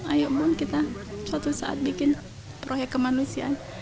ayo pun kita suatu saat bikin proyek kemanusiaan